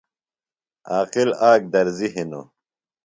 عاقل آک درزی ہِنوۡ۔